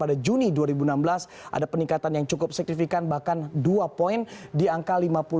pada juni dua ribu enam belas ada peningkatan yang cukup signifikan bahkan dua poin di angka lima puluh enam